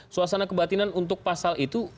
suasana kebatinan untuk pasal itu